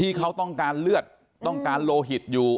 ที่เขาต้องการเลือดต้องการโลหิตอยู่